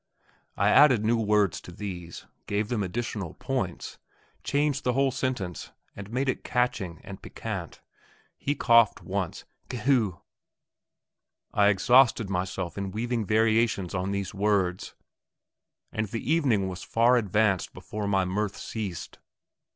I added new words to these, gave them additional point, changed the whole sentence, and made it catching and piquant. He coughed once Kheu heu! I exhausted myself in weaving variations on these words, and the evening was far advanced before my mirth ceased.